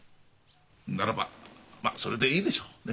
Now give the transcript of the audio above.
ならばまあそれでいいでしょうね。